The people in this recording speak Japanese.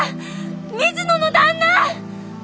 水野の旦那！